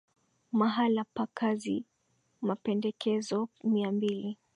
mahala pa kazi mapendekezo mia mbili